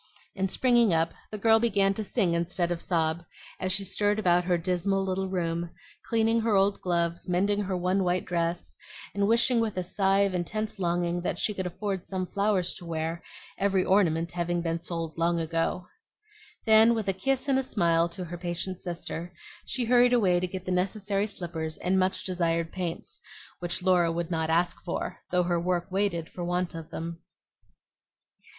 And springing up, the girl began to sing instead of sob, as she stirred about her dismal little room, cleaning her old gloves, mending her one white dress, and wishing with a sigh of intense longing that she could afford some flowers to wear, every ornament having been sold long ago. Then, with a kiss and a smile to her patient sister, she hurried away to get the necessary slippers and the much desired paints, which Laura would not ask for, though her work waited for want of them.